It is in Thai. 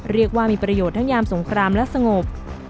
เรียกว่ามีประโยชน์ทั้งยามสงครามและสงบ